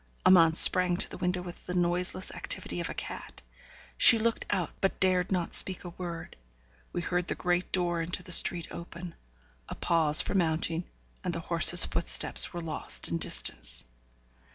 Amante sprang to the window with the noiseless activity of a cat. She looked out, but dared not speak a word. We heard the great door into the street open a pause for mounting, and the horse's footsteps were lost in distance.